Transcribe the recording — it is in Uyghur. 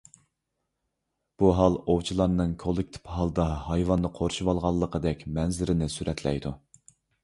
بۇ ھال ئوۋچىلارنىڭ كوللېكتىپ ھالدا ھايۋاننى قورشىۋالغانلىقىدەك مەنزىرىنى سۈرەتلەيدۇ.